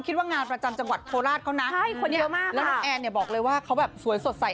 คิดว่างานประจำจังหวัดโทรศณ์นอร์นะครับและน้องแอนย์บอกเลยว่าเขาแบบสวยสดใส